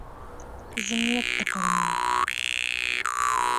Зыңлап та ҡараманы.